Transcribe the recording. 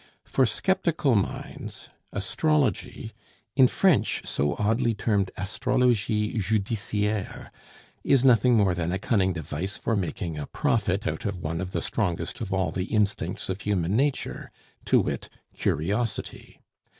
For sceptical minds, astrology, in French, so oddly termed astrologie judiciare, is nothing more than a cunning device for making a profit out of one of the strongest of all the instincts of human nature to wit, curiosity.